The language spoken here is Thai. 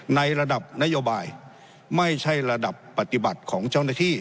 ในระดับนโยบายไม่ใช่ระดับปฏิบัติของเจ้าหน้าที่